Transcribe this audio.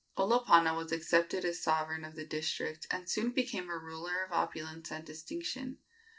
Olopana was accepted as sovereign of the district, and soon became a ruler of opulence and distinction.